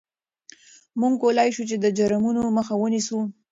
موږ کولای شو د جرمونو مخه ونیسو.